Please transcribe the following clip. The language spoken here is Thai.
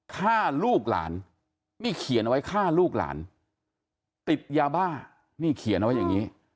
ฆ่าลูกหลานนี่เขียนเอาไว้ฆ่าลูกหลานติดยาบ้านี่เขียนเอาไว้อย่างนี้